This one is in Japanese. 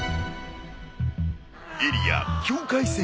エリア境界線だ。